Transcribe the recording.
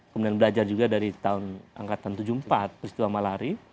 kemudian belajar juga dari tahun angkatan tujuh puluh empat peristiwa malari